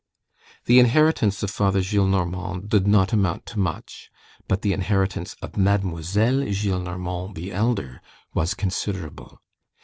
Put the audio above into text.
The inheritance of Father Gillenormand did not amount to much; but the inheritance of Mademoiselle Gillenormand the elder was considerable.